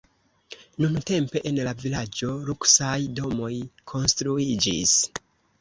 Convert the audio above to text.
Nuntempe en la vilaĝo luksaj domoj konstruiĝis.